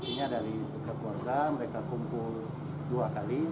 mungkin dari sebuah keluarga mereka kumpul dua kali